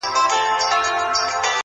خدايه ژر ځوانيمرگ کړې چي له غمه خلاص سو’